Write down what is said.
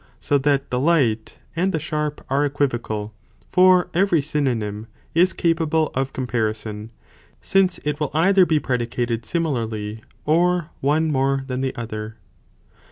So that the light, and the sharp, are equivocal, for every synonym is capable of comparison, since it will either be predicated similarly, or one more than the other.